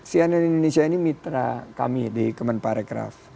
cnn indonesia ini mitra kami di kemenparekraf